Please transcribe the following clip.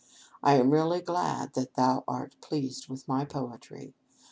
I am really glad that thou art pleased with my poetry.